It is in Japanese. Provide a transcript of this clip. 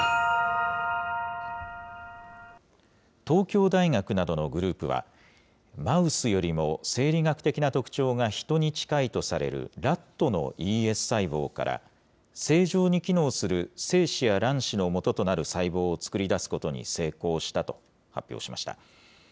東京大学などのグループは、マウスよりも生理学的な特徴がヒトに近いとされるラットのＥＳ細胞から、正常に機能する精子や卵子のもととなる細胞を作り出すことに成功したと発表しました。